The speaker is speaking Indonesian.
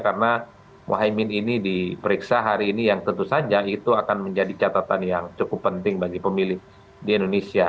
karena mohaimin ini diperiksa hari ini yang tentu saja itu akan menjadi catatan yang cukup penting bagi pemilih di indonesia